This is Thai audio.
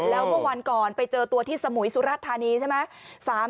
แล้วเมื่อวันก่อนไปเจอตัวที่สมุยสุรธานีใช่ไหม